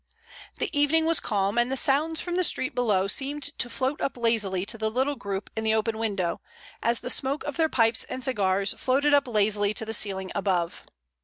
The evening was calm, and the sounds from the street below seemed to float up lazily to the little group in the open window, as the smoke of their pipes and cigars floated up lazily to the ceiling above.